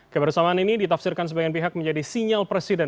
kebersamaan ini ditafsirkan sebagian pihak menjadi sinyal presiden